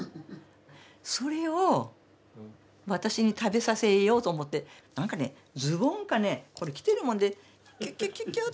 それを私に食べさせようと思ってなんかねズボンかね着てるものでキュキュ